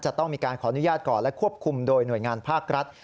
จะต้องมีการขออนุญาตก่อนและควบคุมโดยหน่วยงานภาครัฐ